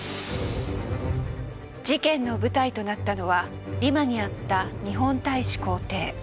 事件の舞台となったのはリマにあった日本大使公邸。